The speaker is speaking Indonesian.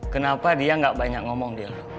kenapa dia gak banyak ngomong di lu